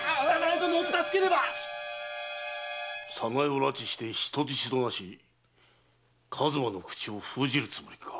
早苗を拉致して人質となし数馬の口を封じるつもりか。